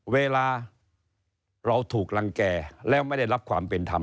เวลาเราถูกรังแก่แล้วไม่ได้รับความเป็นธรรม